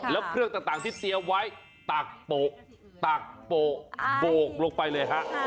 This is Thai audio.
แล้วเครื่องต่างที่เตรียมไว้ตักโปะตักโปะโบกลงไปเลยฮะ